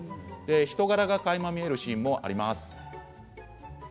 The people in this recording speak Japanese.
人柄がかいま見えるシーンもあります。